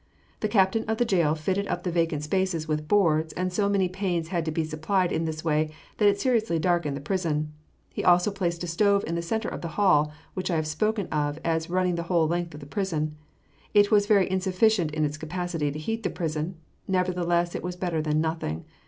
The captain of the jail fitted up the vacant spaces with boards, and so many panes had to be supplied in this way that it seriously darkened the prison. He also placed a stove in the centre of the hall which I have spoken of as running the whole length of the prison. It was very insufficient in its capacity to heat the prison, nevertheless it was better than nothing.